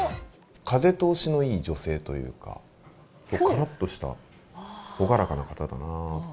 風通しのいい女性というか、からっとした朗らかな方だなぁと。